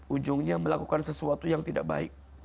ujungnya melakukan sesuatu yang tidak berhubungan dengan anaknya